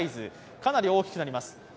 かなり大きくなります。